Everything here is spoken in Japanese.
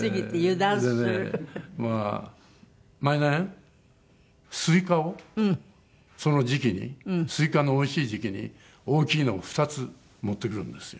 毎年スイカをその時期にスイカのおいしい時期に大きいのを２つ持ってくるんですよ。